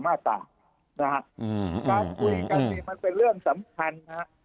นะฮะการคุยกันสิมันเป็นเรื่องสำคัญนะฮะ